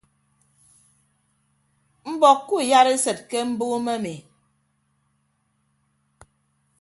Mbọk kuuyadesịd ke mbuumo emi.